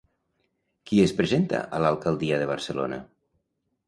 Qui es presenta a l'alcaldia de Barcelona?